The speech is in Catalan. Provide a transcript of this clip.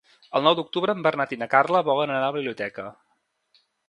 El nou d'octubre en Bernat i na Carla volen anar a la biblioteca.